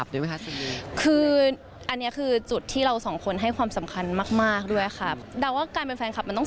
ตอนนี้ยังไม่ใช้คำว่าแฟนะ